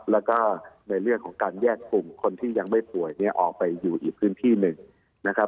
แล้วก็ในเรื่องของการแยกกลุ่มคนที่ยังไม่ป่วยเนี่ยออกไปอยู่อีกพื้นที่หนึ่งนะครับ